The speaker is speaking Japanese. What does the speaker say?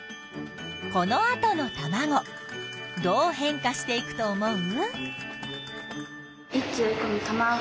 このあとのたまごどう変化していくと思う？